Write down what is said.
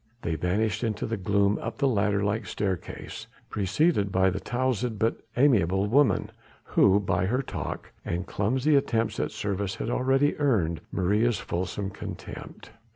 They vanished into the gloom up the ladder like staircase, preceded by the towzled but amiable woman, who by her talk and clumsy attempts at service had already earned Maria's fulsome contempt.